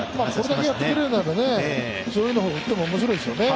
これだけやってくれれば上位の方を打っても面白いですよね。